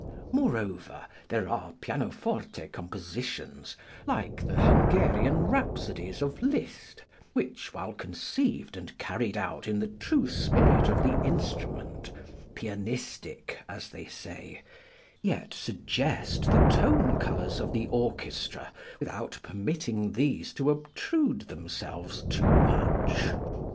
Moreover, there are pianoforte compositions like the Hungarian rhapsodies of Liszt which, while conceived and carried out in the true spirit of the instrument ("pianistic," as they say), yet suggest the tone colors of the orchestra without permitting these to obtrude themselves too much.